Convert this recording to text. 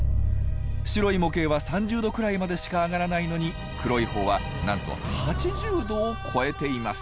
白い模型は３０℃くらいまでしか上がらないのに黒い方はなんと８０℃を超えています。